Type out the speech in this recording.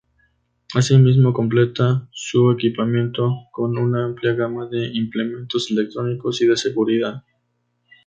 Asimismo, complementa su equipamiento con una amplia gama de implementos electrónicos y de seguridad.